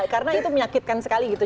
karena itu menyakitkan sekali gitu